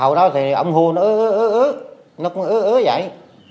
hồi đó thì ông hô nó ớ ớ ớ nó cũng ớ ớ vậy